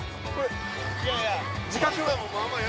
いやいや。